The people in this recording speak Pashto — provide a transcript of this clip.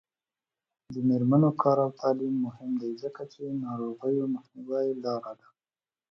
د میرمنو کار او تعلیم مهم دی ځکه چې ناروغیو مخنیوي لاره ده.